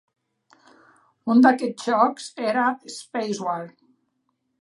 Un d'aquests jocs era Spacewar!